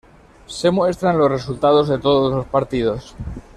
Se muestran los resultados de todos los partidos.